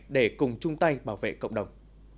để cùng chung tay bảo vệ cộng đồng